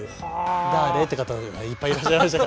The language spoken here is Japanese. だれ？って方いっぱいいらっしゃいました。